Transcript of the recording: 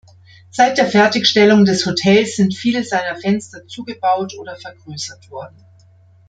Seit der Fertigstellung des Hotels sind viele seiner Fenster zugebaut oder vergrößert worden.